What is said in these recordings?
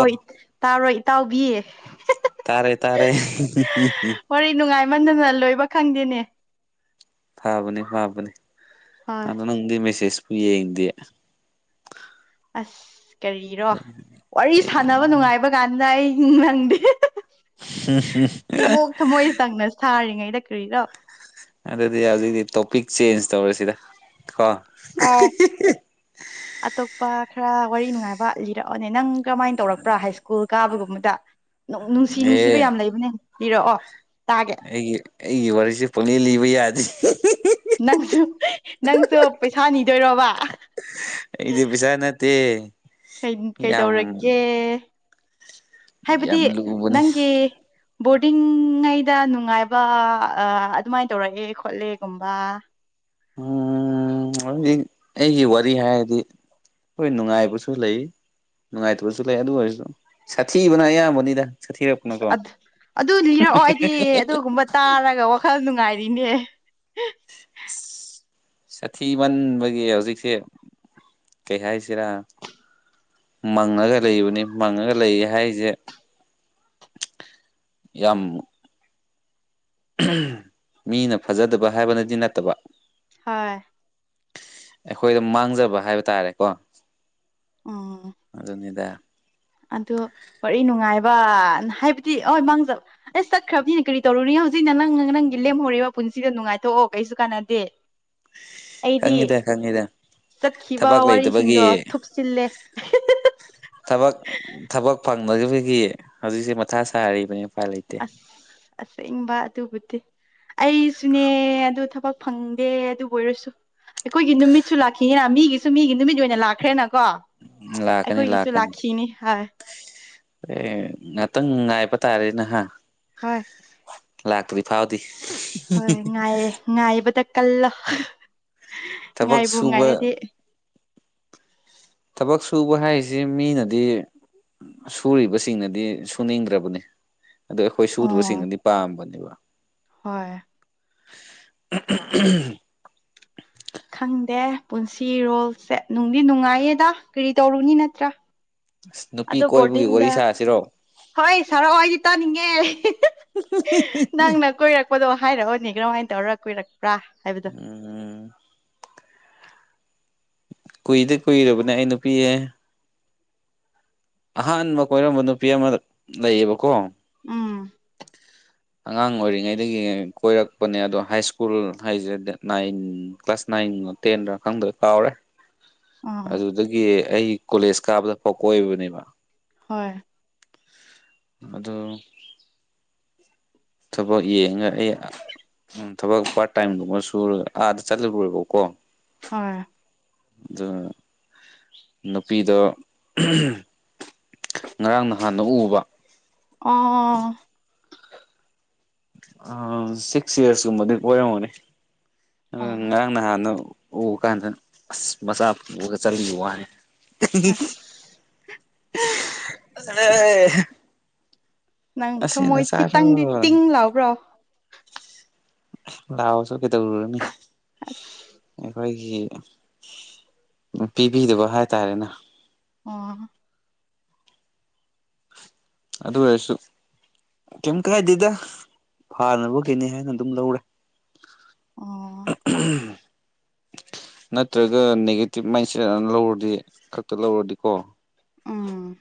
ꯍꯣꯏ ꯇꯥꯕ꯭ꯔꯣ ꯏꯇꯥꯎꯕꯤ ꯇꯥꯔꯦ ꯇꯥꯔꯦ ꯋꯥꯔꯤ ꯅꯨꯡꯉꯥꯏꯃꯟꯗꯅ ꯂꯣꯏꯕ ꯈꯪꯗꯦꯅꯦ ꯐꯥꯕꯅꯦ ꯐꯥꯕꯅꯦ ꯍꯣꯏ ꯑꯗꯣ ꯅꯪꯗꯤ ꯃꯦꯁꯦꯖꯄꯨ ꯌꯦꯡꯗꯦ ꯑꯁ ꯀꯔꯤꯔꯣ ꯋꯥꯔꯤ ꯁꯥꯟꯅꯕ ꯅꯨꯡꯉꯥꯏꯕꯀꯥꯟꯗ ꯑꯩ ꯅꯪꯗꯦ ꯁꯤꯃꯣꯛ [unintelligible] ꯊꯃꯣꯏ ꯆꯪꯅ ꯁꯥꯔꯤꯉꯩꯗ ꯀ꯭ꯔꯤꯔꯣ ꯑꯗꯨꯗꯤ ꯍꯧꯖꯤꯛꯗꯤ ꯇꯣꯄꯤꯛ ꯆꯦꯟꯖ ꯇꯧꯔꯁꯤꯗ ꯀꯣ ꯍꯥꯏ ꯑꯇꯣꯞꯄ ꯈꯔ ꯋꯥꯔꯤ ꯅꯨꯡꯉꯥꯏꯕ ꯂꯤꯔꯛꯑꯣꯅꯦ ꯅꯪ ꯀꯔꯝꯃꯥꯏꯟ ꯇꯧꯔꯛꯄ꯭ꯔꯥ ꯍꯥꯏꯁ꯭ꯀꯨꯜ ꯀꯥꯕꯒꯨꯝꯕꯗ ꯅꯨꯡ-ꯅꯨꯡꯁꯤ ꯅꯨꯡꯁꯤꯕ ꯑꯦ ꯌꯥꯝ ꯂꯩꯕꯅꯦ ꯂꯤꯔꯛꯑꯣ ꯇꯥꯒꯦ ꯑꯩꯒꯤ ꯑꯩꯒꯤ ꯋꯥꯔꯤꯖꯦ ꯄꯪꯂꯤ ꯂꯤꯕ ꯌꯥꯗꯤ ꯅꯪꯁꯨ ꯅꯪꯁꯨ ꯄꯩꯁꯥ ꯅꯤꯗꯣꯏꯔꯣꯕ ꯑꯩꯗꯤ ꯄꯤꯁꯥ ꯅꯠꯇꯦ ꯀꯩꯟ ꯌꯥꯝ ꯀꯩꯗꯧꯔꯒꯦ ꯍꯥꯏꯕꯗꯤ ꯌꯥꯝ ꯂꯨꯕꯅꯦ ꯅꯪꯒꯤ ꯕꯣꯔꯗꯤꯡꯉꯩꯗ ꯅꯨꯡꯉꯥꯏꯕ ꯑꯥ ꯑꯗꯨꯃꯥꯏ ꯇꯧꯔꯒꯦ ꯈꯣꯠꯂꯦ ꯒꯨꯝꯕ ꯎꯝ ꯍꯧꯖꯤꯛ ꯑꯩꯒꯤ ꯋꯥꯔꯤ ꯍꯥꯏꯔꯗꯤ ꯍꯣꯏ ꯅꯨꯡꯉꯥꯏꯕꯁꯨ ꯂꯩ ꯅꯨꯡꯉꯥꯏꯇꯕꯁꯨ ꯂꯩ ꯑꯗꯨ ꯑꯣꯏꯔꯁꯨ ꯁꯥꯊꯤꯕꯅ ꯑꯌꯥꯝꯕꯅꯤꯗ꯫ ꯁꯥꯊꯤꯔꯛꯄꯅꯀꯣ ꯑꯠ ꯑꯗꯨ ꯂꯤꯔꯛꯑꯣ ꯑꯩꯗꯤ ꯑꯗꯨꯒꯨꯝꯕ ꯇꯥꯔꯒ ꯋꯥꯈꯜ ꯅꯨꯡꯉꯥꯏꯔꯤꯅꯦ꯫ ꯁꯥꯊꯤꯃꯟꯕꯒꯤ ꯍꯧꯖꯤꯛꯁꯦ ꯀꯩ ꯍꯥꯏꯁꯤꯔꯥ ꯃꯪꯉꯒ ꯂꯩꯕꯅꯤ ꯃꯪꯉꯒ ꯂꯩ ꯍꯥꯏꯖꯦ ꯌꯝ ꯃꯤꯅ ꯐꯖꯗꯕ ꯍꯥꯏꯕꯅꯗꯤ ꯅꯠꯇꯕ ꯍꯥꯏ ꯑꯩꯈꯣꯏꯗ ꯃꯥꯡꯖꯕ ꯍꯥꯏꯕ ꯇꯥꯔꯦꯀꯣ ꯎꯝ ꯑꯗꯨꯅꯤꯗ ꯑꯗꯨ ꯋꯥꯔꯤ ꯅꯨꯡꯉꯥꯏꯕꯅ ꯍꯥꯏꯕꯗꯤ ꯑꯣꯏ ꯃꯥꯡꯖ ꯑꯁ ꯆꯠꯈ꯭ꯔꯕꯅꯤꯅ ꯀ꯭ꯔꯤ ꯇꯧꯔꯨꯅꯤ ꯍꯧꯖꯤꯛꯅ ꯅꯪ ꯅꯪꯒꯤ ꯂꯦꯝꯍꯧꯔꯦꯕ ꯄꯨꯟꯁꯤꯗꯣ ꯅꯨꯡꯉꯥꯏꯊꯣꯛꯑꯣ ꯀꯩꯁꯨ ꯀꯥꯟꯅꯗꯦ ꯑꯩꯗꯤ ꯈꯪꯉꯤꯗ ꯈꯪꯉꯤꯗ ꯆꯠꯈꯤꯕ ꯊꯕꯛ ꯋꯥꯔꯤꯁꯤꯡꯗꯣ ꯂꯩꯇꯕꯒꯤ ꯊꯨꯞꯆꯤꯜꯂꯦ ꯊꯕꯛ ꯊꯕꯛ ꯐꯪꯕꯗꯨꯐꯤꯒꯤ ꯍꯧꯖꯤꯛꯁꯦ ꯃꯊꯥ ꯁꯥꯔꯤꯕꯅꯤ ꯎꯄꯥꯏ ꯂꯩꯇꯦ ꯑꯁ ꯑꯁꯦꯡꯕ ꯑꯗꯨꯕꯨꯗꯤ ꯑꯩꯁꯨꯅꯦ ꯑꯗꯨ ꯊꯕꯛ ꯐꯪꯗꯦ ꯑꯗꯨꯕꯨ ꯑꯣꯏꯔꯁꯨ ꯑꯩꯈꯣꯏꯒꯤ ꯅꯨꯃꯤꯠꯁꯨ ꯂꯥꯛꯈꯤꯅꯤꯅ ꯃꯤꯒꯤꯁꯨ ꯃꯤꯒꯤ ꯅꯨꯃꯤꯠ ꯑꯣꯏꯅ ꯂꯥꯛꯈ꯭ꯔꯦꯅꯀꯣ ꯂꯥꯛꯀꯅꯤ ꯑꯩꯈꯣꯏꯒꯤꯁꯨ ꯂꯥꯛꯀꯅꯤ ꯂꯥꯛꯈꯤꯅꯤ ꯍꯥꯏ ꯑꯦ ꯉꯥꯟꯇꯪ ꯉꯥꯏꯕ ꯇꯥꯔꯦꯅ ꯍ ꯍꯣꯏ ꯂꯥꯛꯇ꯭ꯔꯤꯐꯥꯎꯗꯤ ꯍꯣꯏ ꯉꯥꯏꯌꯦ ꯉꯥꯏꯕꯗ ꯀꯜꯂꯣ ꯊꯕꯛ ꯉꯥꯏꯕꯨ ꯁꯨꯕ ꯉꯥꯏꯔꯗꯤ ꯊꯕꯛ ꯁꯨꯕ ꯍꯥꯏꯔꯤꯖꯦ ꯃꯤꯅꯗꯤ ꯁꯨꯔꯤꯕꯁꯤꯡꯅꯗꯤ ꯁꯨꯅꯤꯡꯗ꯭ꯔꯕꯅꯤ ꯑꯗꯣ ꯑꯩꯈꯣꯏ ꯎꯝ ꯁꯨꯗꯕꯁꯤꯡꯅꯗꯤ ꯄꯥꯝꯕꯅꯦꯕ꯫ ꯍꯣꯏ꯫ [unintelligible] ꯈꯪꯗꯦ ꯄꯨꯟꯁꯤꯔꯣꯜꯁꯦ ꯅꯨꯡꯗꯤ ꯅꯨꯡꯉꯥꯏꯌꯦꯗ ꯀ꯭ꯔꯤ ꯇꯧꯔꯨꯅꯤ ꯅꯠꯇ꯭ꯔꯥ꯫ ꯑꯁ ꯅꯨꯄꯤ ꯑꯗꯣ ꯀꯣꯏꯕꯒꯤ ꯋꯥꯔꯤ ꯕꯣꯔꯗꯤꯡꯗ ꯁꯥꯁꯤꯔꯣ? ꯍꯣꯏ ꯁꯥꯔꯛꯑꯣ ꯑꯩꯗꯤ ꯇꯥꯅꯤꯡꯉꯦ ꯅꯪꯅ ꯀꯣꯏꯔꯛ ꯄꯗꯣ ꯍꯥꯏꯔꯛꯑꯣꯅ‌ꯦ ꯀꯔꯝꯍꯥꯏ ꯇꯧꯔꯒ ꯀ‌ꯣꯏꯔꯛꯄ꯭ꯔꯥ ꯍꯥꯏꯕꯗꯣ꯫ ꯎꯝ ꯀꯨꯏꯗꯤ ꯀꯨꯏꯔꯕꯅꯦ ꯑꯩ ꯅꯨꯄꯤꯌꯦ ꯑꯍꯥꯟꯕ ꯀꯣꯏꯔꯝꯕ ꯅꯨꯄꯤ ꯑꯃ ꯂꯩꯌꯦꯕꯀꯣ ꯎꯝ [unintelligible] ꯑꯉꯥꯡ ꯑꯣꯏꯔꯤꯉꯩꯗꯒꯤ ꯀꯣꯏꯔꯛꯄꯅꯦ ꯑꯗꯣ ꯍꯥꯏ ꯁ꯭ꯀꯨꯜ ꯍꯥꯏꯖ‌ꯦ ꯗꯦꯠ ꯅꯥꯏꯟ ꯀ꯭ꯂꯥꯁ ꯅꯥꯏꯟ ꯇꯦꯟꯔꯥ ꯈꯪꯗ꯭ꯔꯦ ꯀꯥꯎꯔꯦ ꯫ ꯎꯝ ꯑꯗꯨꯗꯒꯤ ꯑꯩ ꯀꯣꯂꯦꯖ ꯀꯥꯕꯗ ꯐꯥꯎ ꯀꯣꯏꯕꯅꯦꯕ ꯍꯣꯏ ꯃꯗꯣ ꯊꯕꯛ ꯌꯦꯡꯉꯒ ꯑꯩ ꯎꯝ ꯊꯕꯛ ꯄꯥꯔꯠ ꯇꯥꯏꯝ ꯒꯨꯝꯕ ꯁꯨꯔꯒ ꯑꯥꯗ ꯆꯠꯂꯨꯔ‌ꯦ ꯕꯀꯣ ꯍ‌ꯣꯏ ꯑꯗ‌ꯣ ꯅꯨꯄꯤꯗ‌ꯣ ꯉꯔꯥꯡ ꯅꯍꯥꯟꯅ ꯎꯕ ꯑꯣ ꯑꯥ ꯁꯤꯛꯁ ꯏꯌꯔ ꯀꯨꯝꯕꯗꯤ ꯀ‌ꯣꯏꯔꯝꯃꯅꯤ ꯑꯗꯨ ꯑꯣ ꯉꯔꯥꯡ ꯅꯍꯥꯟꯗꯨ ꯎꯕ ꯀꯥꯟꯗ ꯑꯁ ꯃꯆꯥ ꯄꯨꯔꯒ ꯆꯠꯂꯝꯕ ꯋꯥꯅꯤ꯫ ꯑꯁ [unintelligible] ꯅꯪ ꯑꯁꯤ ꯊꯃꯣꯏ ꯅꯆꯥꯗꯣ ꯈꯤꯇꯪꯗꯤ ꯇꯤꯡ ꯂꯥꯎꯕ꯭ꯔꯣ? ꯂꯥꯎꯔꯁꯨ ꯀꯩꯗꯧꯔꯨꯔꯅꯤ ꯑꯁ ꯑꯩꯈꯣꯏꯒꯤ ꯄꯤꯕꯤꯗꯕ ꯍꯥꯏꯇꯥꯔꯦꯅꯦ ꯫ ꯑꯣ ꯑꯗꯨ ꯑꯣꯏꯔꯁꯨ ꯀꯩꯏꯝ ꯀꯥꯏꯗꯦꯗ ꯐꯥꯅꯕꯒꯤꯅ‌ꯦ ꯍꯥꯏꯅ ꯑꯗꯨꯝ ꯂꯧꯔꯦ ꯫ ꯑꯣ [unintelligible] ꯅꯠꯇ꯭ꯔꯒ ꯅꯦꯒꯦꯇꯤꯚ ꯃꯥꯏꯟꯁꯦꯠ ꯂꯧꯔꯗꯤ ꯈꯛꯇ ꯂꯧꯔꯗꯤꯀꯣ ꯎꯝ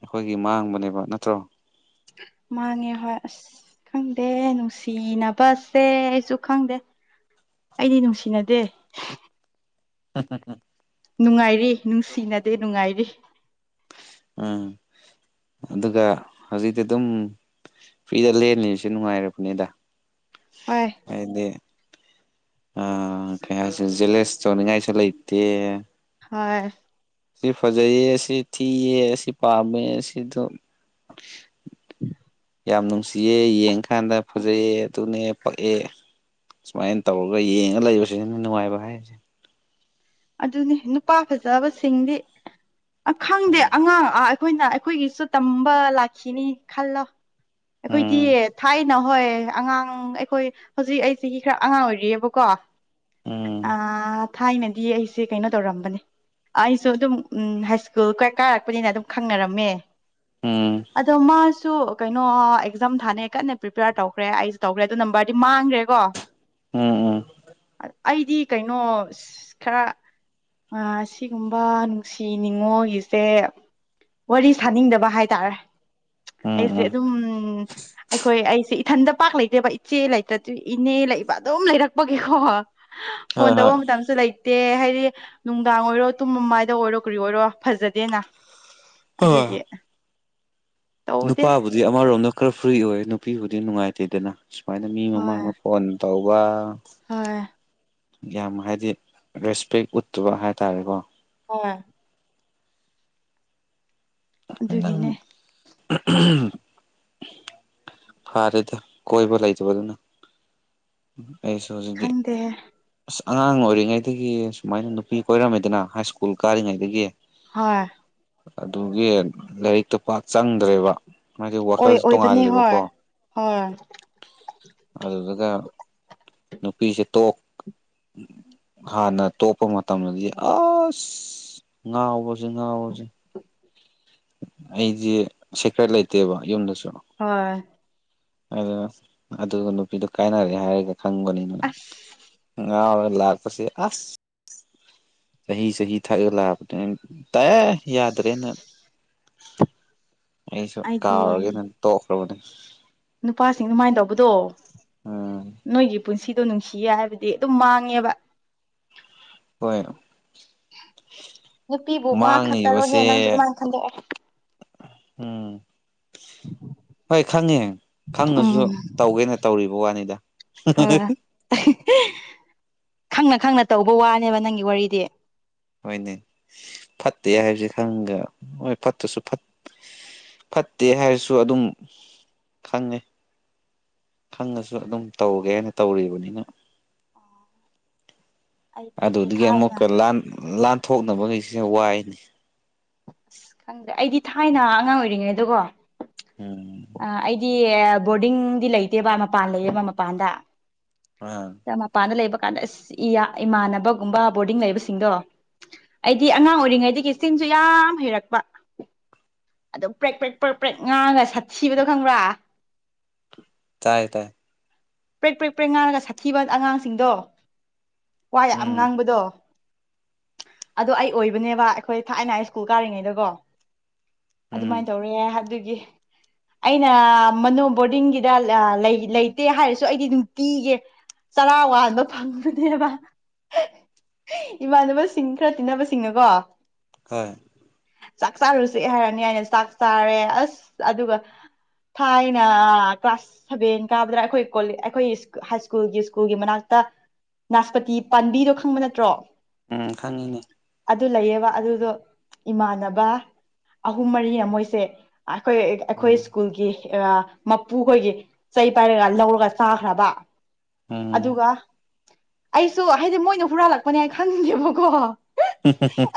ꯑꯩꯈꯣꯏꯒꯤ ꯃꯥꯡꯕꯅꯦꯕ ꯅꯠꯇ꯭ꯔꯣ ꯃꯥꯅꯤ ꯍꯣꯏ ꯑꯁ ꯈꯪꯗꯦ ꯅꯨꯡꯁꯤꯅꯕꯁꯦ ꯑꯩꯁꯨ ꯈꯪꯗꯦ꯫ ꯑꯩꯗꯤ ꯅꯨꯡꯁꯤꯅꯗꯦ꯫ [unintelligible] ꯅꯨꯡꯉꯥꯏꯔꯤ ꯅꯨꯡꯁꯤꯅꯗꯦ ꯅꯨꯡꯉꯥꯏꯔꯤ ꯫ ꯎꯝ ꯑꯗꯨꯒ ꯍꯧꯖꯤꯛꯇꯤ ꯑꯗꯨꯝ ꯐ꯭ꯔꯤꯗ ꯂꯦꯟꯂꯤꯁꯦ ꯅꯨꯡꯉꯥꯏꯔꯕꯅꯦꯗ ꯫ ꯍꯣꯏ ꯑꯩꯗꯤ ꯑꯥ ꯀꯩ ꯍꯥꯏꯁꯤꯔ ꯖꯦꯂꯦꯌꯁ ꯇꯧꯅꯤꯡꯉꯥꯏꯁꯨ ꯂꯩꯇꯦ ꯍꯣꯏ ꯁꯤ ꯐꯖꯩꯌꯦ ꯁꯤ ꯊꯤꯌꯦ ꯑꯁꯤ ꯄꯥꯝꯃꯦ ꯁꯤꯗꯣ ꯌꯥꯝ ꯅꯨꯡꯁꯤꯌꯦ ꯌꯦꯡꯀꯥꯟꯗ ꯐꯖꯩꯑ‌ꯦ ꯑꯗꯨꯅꯦ ꯄꯛꯑꯦ ꯁꯨꯃꯥꯏꯅ ꯇꯧꯔꯒ ꯌꯦꯡꯉ ꯂꯩꯕꯁꯤꯅꯤ ꯅꯨꯡꯉꯥꯏꯕ ꯍꯥꯏꯔꯤꯁꯦ ꯑꯗꯨꯅꯤ ꯅꯨꯄꯥ ꯐꯖꯕꯁꯤꯡꯗꯤ ꯈꯪꯗꯦ ꯎꯝ ꯑꯉꯥꯡ ꯑꯥ ꯑꯩꯈꯣꯏꯅ ꯑꯩꯈꯣꯏꯒꯤꯁꯨ ꯇꯝꯕ ꯂꯥꯛꯈꯤꯅꯤ ꯈꯜꯂꯣ ꯑꯩꯈꯣꯏꯗꯤ ꯎꯝ ꯊꯥꯏ ꯅ ꯍꯣꯏ ꯑꯉꯥꯡ ꯑꯩꯈꯣꯏ ꯍꯧꯖꯤꯛ ꯑꯩ ꯆꯍꯤ ꯈꯔ ꯑꯉꯥꯡ ꯑꯣꯏꯔꯤꯌ‌ꯦꯕꯀꯣ ꯎꯝ ꯑꯥ ꯊꯥꯏꯅꯗꯤ ꯑꯩꯁꯦ ꯀꯩꯅꯣ ꯇꯧꯔꯝꯕꯅꯤ ꯑꯩꯁꯨ ꯑꯗꯨꯝ ꯎꯝ ꯍꯥꯏꯁ꯭ꯀꯨꯜ ꯀ ꯀꯥꯔꯛꯄꯅꯤꯅ ꯑꯗꯨꯝ ꯈꯪꯅꯔꯝꯃꯦ ꯎꯝ ꯑꯗꯣ ꯃꯥꯁ ꯁꯨ ꯀꯩꯅꯣ ꯑꯦꯛꯖꯥꯝ ꯊꯥꯅꯩ ꯀꯟꯅ ꯄ꯭ꯔꯤꯄꯦꯌꯥꯔ ꯇꯧꯈ꯭ꯔꯦ ꯑꯩꯁꯨ ꯇꯧꯈ꯭ꯔꯦ ꯑꯗꯨ ꯅꯝꯕꯔꯗꯤ ꯃꯥꯡꯒ꯭ꯔꯦ ꯀꯣ ꯎꯝ ꯎꯝ ꯑꯩꯗꯤ ꯀꯩꯅꯣ ꯈꯔ ꯑꯁꯤꯒꯨꯝꯕ ꯅꯨꯡꯁꯤ ꯅꯤꯡꯉꯣꯜꯒꯤꯁꯦ ꯋꯥꯔꯤ ꯁꯥꯅꯤꯡꯗꯕ ꯍꯥꯏꯇꯥꯔꯦ ꯎꯝ ꯑꯩꯁꯦ ꯎꯝ ꯑꯗꯨꯝ ꯑꯩꯈꯣꯏ ꯑꯩꯁꯦ ꯏ ꯊꯟꯗ ꯄꯥꯛ ꯂꯩꯇꯦꯕ ꯏꯆꯦ ꯂꯩꯇꯖꯨ ꯏꯅꯦ ꯂꯩꯕ ꯑꯗꯨꯝ ꯂꯩꯔꯛꯄꯒꯤꯀꯣ ꯐꯣꯟ ꯍꯣꯏ ꯍꯣꯏ ꯇꯧꯕ ꯃꯇꯝꯁꯨ ꯂꯩ ꯇꯦ ꯍꯥꯏꯗꯤ ꯅꯨꯡꯗꯥꯡ ꯑꯣꯏꯔꯣ ꯇꯨꯝꯕ ꯃꯥꯏꯗ ꯑꯣꯏꯔꯣ ꯀꯔꯤ ꯑꯣꯏꯔꯣ ꯐꯖꯗꯦꯅ ꯍꯣꯏ ꯑꯗꯨꯒꯤ ꯇꯧꯗꯦ ꯅꯨꯄꯥꯕꯨꯗꯤ ꯑꯃꯔꯣꯝꯗ ꯈꯔ ꯐ꯭ꯔꯤ ꯑꯣꯏ ꯅꯨꯄꯤꯕꯨꯗꯤ ꯅꯨꯡꯉꯥꯏꯇꯦꯗꯅ ꯁꯨꯃꯥꯏꯅ ꯃꯤ ꯍꯣꯏ ꯃꯃꯥꯡꯗ ꯐꯣꯟ ꯇꯧꯕ ꯍꯣꯏ ꯌꯥꯝ ꯍꯥꯏꯗꯤ ꯔꯦꯁꯄꯦꯛ ꯎꯠꯇꯕ ꯍꯥꯏꯇꯥꯔꯦꯀꯣ ꯑꯣꯏ ꯑ ꯅꯪ ꯑꯗꯨꯒꯤꯅꯦ ꯐꯔꯦꯗ ꯀꯣꯏꯕ ꯂꯩꯇꯕꯗꯨꯅ ꯑꯩꯁꯨ ꯍꯧꯖꯤꯛꯇꯤ ꯗꯦ ꯑꯁ ꯑꯉꯥꯡ ꯑꯣꯏꯔꯤꯉꯩꯗꯒꯤ ꯁꯨꯃꯥꯏꯅ ꯅꯨꯄꯤ ꯀꯣꯏꯔꯝꯃꯦꯗꯅ ꯍꯥꯏ ꯁ꯭ꯀꯨꯜ ꯀꯥꯔꯤꯉꯩꯗꯒꯤ ꯍꯣꯏ ꯑꯗꯨꯒꯤ ꯂꯥꯏꯔꯤꯛꯇ ꯄꯥꯛ ꯆꯪꯗ꯭ꯔꯦꯕ ꯍꯥꯏꯗꯤ ꯑꯣꯏ ꯋꯥꯈꯜꯁꯤ ꯑꯣꯏꯕꯅꯦ ꯍꯣꯏ ꯇꯣꯡꯉꯥꯜꯂꯦꯕꯀꯣ ꯍꯣꯏ ꯑꯗꯨꯗꯨꯒ ꯅꯨꯄꯤꯁꯦ ꯇꯣꯛ ꯍꯥꯟꯅ ꯇꯣꯛꯄ ꯃꯇꯝꯗꯗꯤ ꯑꯁ ꯉꯥꯎꯕꯖꯤ ꯉꯥꯎꯕꯖꯤ [unintelligible] ꯑꯩꯗꯤ ꯁꯦꯀ꯭ꯔꯦꯠ ꯂꯩꯇꯦꯕ ꯌꯨꯝꯗꯁꯨ ꯍꯣꯏ ꯑꯗꯨꯅ ꯑꯗꯨꯒ ꯅꯨꯄꯤꯗꯨ ꯀꯥꯏꯅꯔꯦ ꯍꯥꯏꯔꯒ ꯈꯪꯕꯅꯤ ꯑꯁ ꯉꯥꯎꯔ ꯂꯥꯛꯄꯁꯤ ꯑꯁ ꯆꯍꯤ ꯆꯍꯤ ꯊꯛꯑ ꯂꯥꯛꯄꯇꯨꯅ ꯇꯥꯏꯌꯦ ꯌꯥꯗ꯭ꯔꯦꯅ ꯑꯩꯁꯨ ꯑꯩꯗꯤ ꯀꯥꯎꯔꯒꯦꯅ ꯇꯣꯛꯈ꯭ꯔꯕ ꯑꯗꯨꯝ ꯅꯨꯄꯥꯁꯤꯡ ꯑꯗꯨꯃꯥꯏ ꯇꯧꯕꯗꯣ ꯎꯝ ꯅꯣꯏꯒꯤ ꯄꯨꯟꯁꯤ ꯗꯨ ꯅꯨꯡꯁꯤꯌꯦ ꯍꯥꯏꯕꯗꯤ ꯑꯗꯨꯝ ꯃꯥꯡꯉꯦꯕ ꯍꯣꯏ ꯅꯨꯄꯤꯕꯨ ꯃꯥ ꯈꯛꯇꯔꯣ ꯍꯦ ꯅꯪꯁꯨ ꯃꯥꯡꯉꯤꯕꯁꯦ ꯑꯗꯨꯃꯥꯏꯅ ꯈꯟꯗꯣꯛꯑꯣ ꯎꯝ ꯍꯣꯏ ꯈꯪꯉꯦ ꯈꯪꯉꯁꯨ ꯎꯝ ꯇꯧꯒꯦꯅ ꯇꯧꯔꯤꯕ ꯋꯥꯅꯤꯗ ꯍꯣꯏ ꯈꯪꯅ ꯈꯪꯅ ꯇꯧꯕ ꯋꯥꯅꯦꯕ ꯅꯪꯒꯤ ꯋꯥꯔꯤꯗꯤ ꯍꯣꯏꯅꯦ ꯐꯠꯇꯦ ꯍꯥꯏꯕꯁꯦ ꯈꯪꯒ ꯍꯣꯏ ꯐꯠꯇꯁꯨ ꯐꯠ ꯐꯠꯇꯦ ꯍꯥꯏꯔꯁꯨ ꯑꯗꯨꯝ ꯈꯪꯉꯦ ꯈꯪꯉꯁꯨ ꯑꯗꯨꯝ ꯇꯧꯒꯦ ꯍꯥꯏꯅ ꯇꯧꯔꯤꯕꯅꯤꯅ ꯑꯩꯗꯤ ꯑꯗꯨꯗꯒꯤ ꯊꯥꯏꯅ ꯑꯃꯨꯛꯀ ꯂꯥꯟ ꯂꯥꯟꯊꯣꯛꯅꯕꯈꯩꯁꯦ ꯋꯥꯏꯅꯦ ꯑꯁ ꯈꯪꯗ꯭ꯔꯦ ꯑꯩꯗꯤ ꯊꯥꯏꯅ ꯑꯉꯥꯡ ꯑꯣꯏꯔꯤꯉꯩꯗꯣ ꯎꯝ ꯑ ꯑꯩꯗꯤ ꯕꯣꯔꯗꯤꯡꯗꯤ ꯂꯩꯇꯦꯕ ꯃꯄꯥꯟ ꯂꯩꯌꯦꯕ ꯃꯄꯥꯟꯗ ꯑ ꯃꯄꯥꯟꯗ ꯂꯩꯕ ꯀꯥꯟꯗꯁ ꯏꯌꯥ ꯏꯃꯥꯟꯅꯕꯒꯨꯝꯕ ꯕꯣꯔꯗꯤꯡ ꯂꯩꯕꯁꯤꯡꯗꯣ ꯑꯩꯗꯤ ꯑꯉꯥꯡ ꯑꯣꯏꯔꯤꯉꯩꯗꯒꯤ ꯆꯤꯡꯁꯨ ꯌꯥꯝ ꯍꯩꯔꯛꯄ ꯑꯗꯨꯝ ꯄ꯭ꯔꯦꯛ ꯄ꯭ꯔꯦꯛ ꯄ꯭ꯔꯦꯛ ꯄ꯭ꯔꯦꯛ ꯉꯥꯡꯉꯒ ꯁꯥꯠꯊꯤꯕꯗꯣ ꯈꯪꯕ꯭ꯔꯥ ꯇꯥꯏ ꯇꯥꯏ ꯄ꯭ꯔꯦꯛ ꯄ꯭ꯔꯦꯛ ꯄ꯭ꯔꯦꯛ ꯉꯥꯡꯉꯒ ꯁꯥꯊꯤꯕ ꯑꯉꯥꯡꯁꯤꯡꯗꯣ ꯋꯥ ꯌꯥꯝ ꯎꯝ ꯉꯥꯡꯕꯗꯣ ꯑꯗꯣ ꯑꯩ ꯑꯣꯏꯕꯅꯦꯕ ꯑꯩꯈꯣꯏ ꯊꯥꯏꯅ ꯁ꯭ꯀꯨꯜ ꯀꯥꯔꯤꯉꯩꯗꯀꯣ ꯎꯝ ꯑꯗꯨꯃꯥꯏꯅ ꯇꯧꯔꯦ ꯍꯥꯏꯗꯨꯒꯤ ꯑꯩꯅ ꯃꯅꯣ ꯕꯣꯔꯗꯤꯡꯒꯤꯗ ꯂꯩꯇꯦ ꯍꯥꯏꯔꯁꯨ ꯁꯨ ꯑꯩꯗꯤ ꯅꯨꯡꯇꯤꯒꯤ ꯆꯔꯥ ꯋꯥꯟꯕ ꯐꯪꯕꯅꯦꯕ ꯏꯃꯥꯟꯅꯕꯁꯤꯡ ꯈꯔ ꯇꯤꯟꯅꯕꯁꯤꯡꯅꯀꯣ ꯍꯣꯏ ꯆꯥꯛ ꯆꯥꯔꯨꯁꯦ ꯍꯥꯏꯔꯅꯤ ꯍꯥꯏꯅ ꯆꯥꯛ ꯆꯥꯔꯦ ꯑꯁ ꯑꯗꯨꯒ ꯊꯥꯏꯅ ꯀ꯭ꯂꯥꯁ ꯁꯚꯦꯟ ꯀꯥꯕꯗ ꯑꯩꯈꯣꯏ ꯑꯩꯈꯣꯏ ꯍꯥꯏ ꯁ꯭ꯀꯨꯜꯒꯤ ꯁ꯭ꯀꯨꯜꯒꯤ ꯃꯅꯥꯛꯇ ꯅꯥꯁꯄꯇꯤ ꯄꯥꯝꯕꯤꯗꯣ ꯈꯪꯕ ꯅꯠꯇ꯭ꯔꯣ ꯎꯝ ꯈꯪꯉꯤꯅꯦ ꯑꯗꯨ ꯂꯩꯌꯦꯕ ꯑꯗꯨꯗꯣ ꯏꯃꯥꯟꯅꯕ ꯑꯍꯨꯝ ꯃꯔꯤꯅꯦ ꯃꯣꯏꯁꯦ ꯑꯩꯈꯣꯏ ꯑꯩꯈꯣꯏ ꯎꯝ ꯁ꯭ꯀꯨꯜꯒꯤ ꯃꯄꯨꯈꯣꯏꯒꯤ ꯆꯩ ꯄꯥꯏꯔꯒ ꯂꯧꯔꯒ ꯆꯥꯈ꯭ꯔꯕ ꯎꯝ ꯑꯗꯨꯒ ꯑꯩꯁꯨ ꯍꯥꯏꯗꯤ ꯃꯣꯏꯅ ꯍꯨꯔꯥꯜꯂꯛꯄꯅꯦ ꯍꯥꯏꯅ ꯈꯪꯗꯦꯕꯀꯣ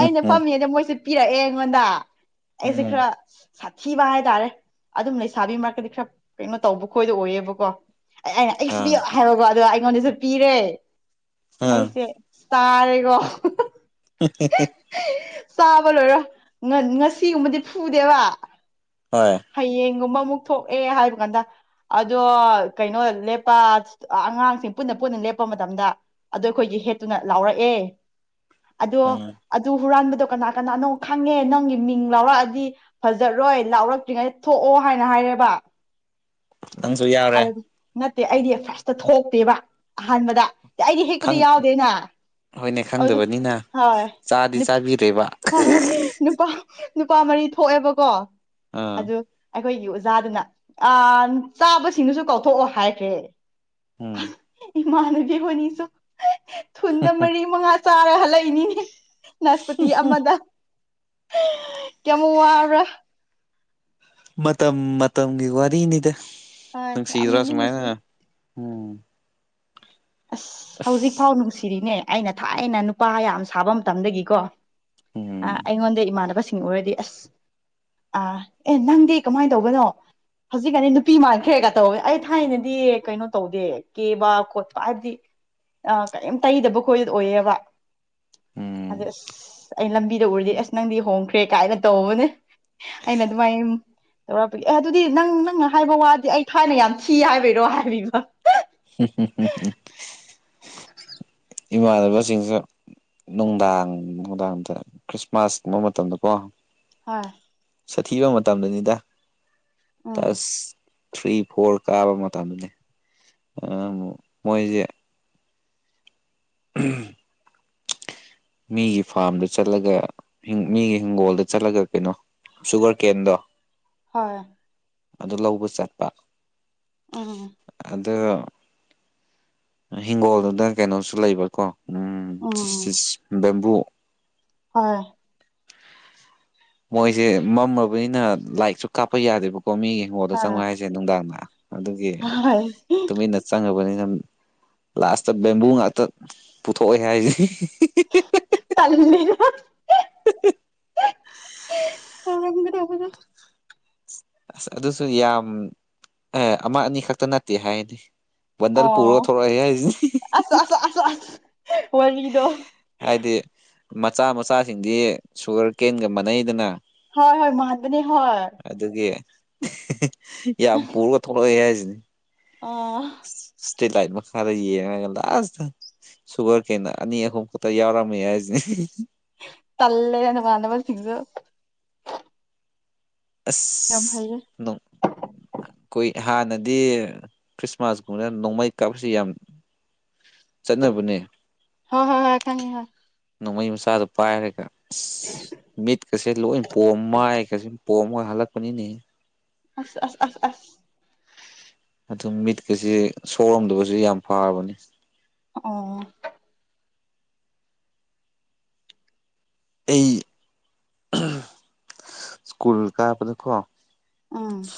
ꯑꯩꯅ ꯐꯝꯃꯤꯉꯩꯗ ꯃꯣꯏꯁꯦ ꯄꯤꯔꯛꯑꯦ ꯑꯩꯉꯣꯟꯗ ꯑꯩꯁꯦ ꯎꯝ ꯈꯔ ꯁꯥꯊꯤꯕ ꯍꯥꯏꯇꯥꯔꯦ ꯑꯗꯨꯝ ꯂꯩꯁꯥꯕꯤ ꯃꯔꯛꯀꯗꯤ ꯈꯔ ꯀꯩꯅꯣ ꯇꯧꯕ ꯈꯣꯏꯗ ꯑꯣꯏꯌꯦꯕꯀꯣ ꯑꯩꯅ ꯑꯩꯁꯨ ꯑꯥ ꯄꯤꯌꯨ ꯍꯥꯏꯕꯒꫭ ꯑꯗꯣ ꯑꯩꯉꯣꯟꯗꯁꯨ ꯄꯤꯔꯦ ꯑꯥ ꯑꯩꯁꯦ ꯆꯥꯔꯦꯀꯣ [unintelligible] ꯆꯥꯕ ꯂꯣꯏꯔꯒ ꯉꯁꯤꯒꯨꯝꯕꯗꯤ ꯐꯨꯗꯦꯕ ꯍꯣꯏ ꯍꯌꯦꯡꯒꯨꯝꯕ ꯑꯃꯨꯛ ꯊꯣꯛꯑꯦ ꯍꯥꯏꯕ ꯀꯥꯟꯗ ꯑꯗꯣ ꯀꯩꯅꯣ ꯂꯦꯞꯄ ꯑꯉꯥꯡꯁꯤꯡ ꯄꯨꯟꯅ ꯄꯨꯟꯅ ꯂꯦꯞꯄ ꯃꯇꯝꯗ ꯑꯗꯣ ꯑꯩꯈꯣꯏꯒꯤ ꯍꯦꯠꯇꯨꯅ ꯂꯥꯎꯔꯛꯑꯦ ꯑꯗꯣ ꯎꯝ ꯑꯗꯨ ꯍꯨꯔꯥꯟꯕꯗꯣ ꯀꯅꯥ ꯀꯅꯥꯅꯣ ꯈꯪꯉꯦ ꯅꯪꯒꯤ ꯃꯤꯡ ꯂꯥꯎꯔꯛꯑꯗꯤ ꯐꯖꯔꯣꯏ ꯂꯥꯎꯔꯛꯇ꯭ꯔꯤꯉꯩꯗ ꯊꯣꯛꯑꯣ ꯍꯥꯏꯅ ꯍꯥꯏꯔꯦꯕ ꯅꯪꯁꯨꯨ ꯌꯎꯔꯦ ꯑꯗꯨꯗꯤ ꯅꯠꯇꯦ ꯑꯩꯗꯤ ꯐꯥꯔꯁꯇꯥ ꯊꯣꯛꯇꯦꯕ ꯑꯍꯥꯟꯕꯗ ꯑꯩꯗꯤ ꯈꯪ ꯍꯦꯛꯄꯗꯤ ꯌꯥꯎꯗꯦꯅ ꯍꯣꯏꯅꯦ ꯑꯗꯨ ꯈꯪꯗꯕꯅꯤꯅ ꯍꯣꯏ ꯆꯥꯗꯤ ꯆꯥꯕꯤꯔꯦꯕ ꯍꯣꯏ ꯅꯨꯄꯥ ꯅꯨꯄꯥ ꯃꯔꯤ ꯊꯣꯛꯑꯦꯕꯀꯣ ꯑꯥ ꯑꯗꯨ ꯑꯩꯈꯣꯏꯒꯤ ꯑꯣꯖꯥꯗꯨꯅ ꯑꯥ ꯆꯥꯕꯁꯤꯡꯗꯨꯁꯨ ꯀꯧꯊꯣꯛꯑꯣ ꯍꯥꯏꯈ꯭ꯔꯦ ꯎꯝ ꯏꯃꯥꯅꯕꯤ ꯍꯣꯅꯤꯁꯨ ꯊꯨꯟꯗ ꯃꯔꯤ ꯃꯉꯥ ꯆꯥꯔ ꯍꯜꯂꯛꯏꯅꯤꯅꯦ ꯅꯥꯁꯄꯇꯤ ꯑꯃꯗ ꯀꯌꯥꯃꯨꯛ ꯋꯥꯕ꯭ꯔꯥ ꯃꯇꯝ ꯃꯇꯝꯒꯤ ꯋꯥꯔꯤꯅꯤꯗ ꯍꯣꯏ ꯌꯥꯝ ꯅꯨꯡꯁꯤꯗ꯭ꯔꯣ ꯅꯨꯡꯗꯤ ꯅꯨꯡꯁꯤ ꯁꯨꯃꯥꯏꯅ ꯎꯝ ꯑꯁ ꯍꯧꯖꯤꯛꯐꯥꯎ ꯅꯨꯡꯁꯤꯔꯤꯅꯦ ꯑꯩꯅ ꯊꯥꯏꯅ ꯅꯨꯄꯥ ꯌꯥꯝ ꯁꯥꯕ ꯃꯇꯝꯗꯒꯤꯀꯣ ꯑꯥ ꯎꯝ ꯑꯩꯉꯣꯟꯗ ꯏꯃꯥꯟꯅꯕꯁꯤꯡ ꯑꯣꯏꯔꯗꯤ ꯑꯁ ꯑꯥ ꯑꯦ ꯅꯪꯗꯤ ꯀꯃꯥꯏꯟ ꯇꯧꯕꯅꯣ ꯍꯧꯖꯤꯛꯒꯥꯅꯤ ꯅꯨꯄꯤ ꯃꯥꯟꯈ꯭ꯔꯦꯒꯥ ꯇꯧꯋꯦ ꯑꯩ ꯊꯥꯏꯅꯗꯤ ꯀꯩꯅꯣ ꯇꯧꯗꯦ ꯀꯦꯕ ꯈꯣꯠꯄ ꯍꯥꯏꯕꯗꯤ ꯑꯥ ꯀꯔꯤꯝ ꯇꯩꯗꯕ ꯈꯣꯏꯗꯨ ꯑꯣꯏꯌꯦꯕ ꯎꯝ ꯑꯗꯨ ꯑꯁ ꯑꯩ ꯂꯝꯕꯤꯗ ꯎꯔꯗꯤ ꯑꯁ ꯅꯪꯗꯤ ꯍꯣꯡꯈ꯭ꯔꯦ ꯀꯥꯏꯅ ꯇꯧꯕꯅꯦ ꯑꯩꯅ ꯑꯗꯨꯃꯥꯏꯝ ꯇꯧꯔꯛꯄꯤꯒꯦ ꯑꯦ ꯑꯗꯨꯗꯤ ꯅꯪ ꯅꯪꯅ ꯍꯥꯏꯕ ꯋꯥꯗꯤ ꯑꯩ ꯊꯥꯏꯅ ꯌꯥꯝ ꯊꯤ ꯍꯥꯏꯕꯩꯔꯣ ꯍꯥꯏꯕꯤꯕ ꯏꯃꯥꯟꯅꯕꯁꯤꯡꯁꯨ ꯅꯨꯡꯗꯥꯡ ꯅꯨꯡꯗꯥꯡꯗ ꯈ꯭ꯔꯤꯁꯃꯥꯁꯒꯨꯝꯕ ꯃꯇꯝꯗꯀꯣ ꯍꯣꯏ ꯁꯥꯊꯤꯕ ꯃꯇꯝꯗꯅꯤꯗ ꯎꯝ ꯇꯁ ꯊ꯭ꯔꯤ ꯐꯣꯔ ꯀꯥꯕ ꯃꯇꯝꯗꯅꯦ [unintelligible] ꯑꯃꯨꯛ ꯃꯣꯏꯖꯦ ꯎꯝ ꯃꯤꯒꯤ ꯐꯥꯔꯝꯗ ꯆꯠꯂꯒ ꯃꯤꯒꯤ ꯍꯤꯡꯒꯣꯜꯗ ꯆꯠꯂꯒ ꯀꯩꯅꯣ ꯁꯨꯒꯔ ꯀꯦꯟꯗꯣ ꯍꯣꯏ ꯑꯗꯨ ꯂꯧꯕ ꯆꯠꯄ ꯎꯝ ꯑꯗꯣ ꯍꯤꯡꯒꯣꯜꯗꯨꯗ ꯀꯩꯅꯣꯁꯨ ꯂꯩꯕꯀꯣ ꯎꯝ ꯎꯝ ꯕꯦꯝꯕꯨ ꯍꯣꯏ ꯃꯣꯏꯖꯦ ꯃꯝꯃꯕꯅꯤꯅ ꯂꯥꯏꯛꯁꯨ ꯀꯥꯞꯄ ꯌꯥꯗꯦꯕꯀꯣ ꯃꯤꯒꯤ ꯍꯤꯡꯒꯣꯜꯗ ꯆꯪꯉꯨ ꯍꯣꯏ ꯍꯥꯏꯁꯦ ꯅꯨꯡꯗꯥꯡꯗ ꯑꯗꯨꯒꯤ ꯍꯣꯏ ꯇꯨꯃꯤꯟꯅ ꯆꯪꯉꯕꯅꯤꯅ ꯂꯥꯁꯇꯥ ꯕꯦꯝꯕꯨ ꯉꯥꯛꯇ ꯄꯨꯊꯣꯛꯑꯦ ꯍꯥꯏꯖꯦ ꯇꯜꯂꯦꯕ [unintelligible] ꯑꯁ ꯑꯗꯨꯁꯨ ꯌꯥꯝ ꯑꯦ ꯑꯃ ꯑꯅꯤ ꯈꯛꯇꯥ ꯅꯠꯇꯦ ꯍꯥꯏꯗꯤ ꯕꯣꯟꯗꯜ ꯄꯨꯔꯒ ꯑꯣ ꯊꯣꯔꯥꯑꯦ ꯍꯥꯏꯖꯤꯅꯤ ꯑꯁ ꯑꯁ ꯑꯁ ꯑꯁ ꯋꯥꯔꯤꯗꯣ ꯍꯥꯏꯗꯤ ꯃꯆꯥ ꯃꯆꯥꯁꯤꯡꯗꯤ ꯁꯨꯒꯔ ꯀꯦꯟꯒꯥ ꯃꯥꯟꯅꯩꯗꯅ ꯍꯣꯏ ꯍꯣꯏ ꯃꯥꯟꯕꯅꯦ ꯍꯣꯏ ꯑꯗꯨꯒꯤ ꯌꯥꯝ ꯄꯨꯔꯒ ꯊꯣꯛꯂꯛꯑꯦ ꯍꯥꯏꯖꯤꯅꯤ ꯑꯥ ꯁꯇ꯭ꯔꯤꯠ ꯂꯥꯏꯠ ꯃꯈꯥꯗ ꯌꯦꯡꯔꯒ ꯂꯥꯁꯇꯥ ꯁꯨꯒꯔ ꯀꯦꯟꯅ ꯑꯅꯤ ꯑꯍꯨꯝ ꯈꯛꯇ ꯌꯥꯎꯔꯝꯃꯦ ꯍꯥꯏꯖꯦ ꯇꯜꯂꯦꯗ ꯅꯃꯥꯟꯅꯕ ꯁꯤꯡꯗꯨ ꯑꯁ ꯌꯥꯝ ꯍꯩꯔꯦ ꯅꯣꯛ ꯀꯨꯏ ꯍꯥꯟꯅꯗꯤ ꯈ꯭ꯔꯤꯁꯃꯥꯁ ꯀꯨꯝꯕꯗ ꯅꯣꯡꯃꯩ ꯀꯥꯞꯄꯁꯤ ꯌꯥꯝ ꯆꯠꯅꯕꯅꯦ ꯈꯪꯉꯤ ꯍꯣꯏ ꯅꯣꯡꯃꯩ ꯃꯆꯥꯗꯨꯣ ꯄꯥꯏꯔꯒ ꯏꯁ ꯃꯤꯠꯀꯁꯦ ꯂꯣꯏ ꯄꯣꯝ ꯃꯥꯏꯒꯁꯦ ꯄꯣꯝꯃꯒ ꯍꯜꯂꯛꯄꯅꯤꯅꯦ ꯑꯁ ꯑꯁ ꯑꯁ ꯑꯁ ꯑꯗꯨꯝ ꯃꯤꯠꯀꯁꯦ ꯁꯣꯔꯝꯗꯕꯁꯨ ꯌꯥꯝ ꯐꯔꯕꯅꯤ ꯑꯣ ꯑꯩ ꯁ꯭ꯀꯨꯜ ꯀꯥꯕꯗꯀꯣ ꯎꯝ